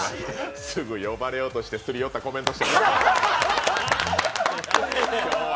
次、呼ばれようとして擦り寄ったコメントして。